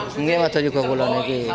mungkin ada juga pulang lagi